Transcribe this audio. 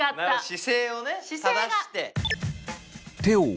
姿勢をね正して。